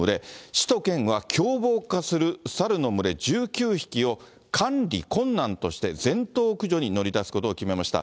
市と県は凶暴化するサルの群れ１９匹を、管理困難として、全頭駆除に乗り出すことを決めました。